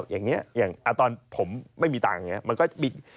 อย่างนี้ตอนผมไม่มีตังค์อย่างนี้